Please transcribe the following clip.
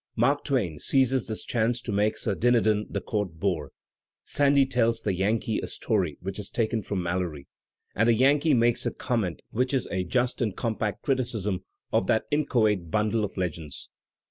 Mark Twain seizes this chance to make Sir Dinadan the court bore. Sandy tells the Yankee a story which is taken from Maloiy, and the Yankee makes a comment which is a just and com pact criticism of that inchoate bundle of legends.